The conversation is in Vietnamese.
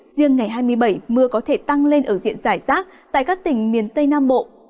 riêng ngày hai mươi bảy mưa có thể tăng lên ở diện giải rác tại các tỉnh miền tây nam bộ